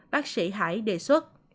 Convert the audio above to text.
bác sĩ hải đề xuất